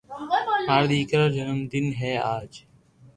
مارا ديڪرا رو جنم دن ھي آج